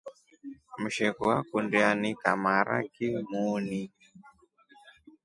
Msheku akundi anika maraki muuni.